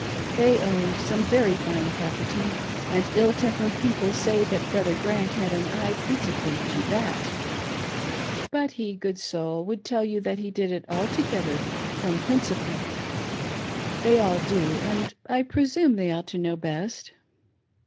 They owned some very fine property, and ill tempered people said that Brother Grant had an eye principally to that. But he, good soul, would tell you JOO NO COKFIDENCE. that he did it altogether from principle. They all do, and 1 presume they ought to know best.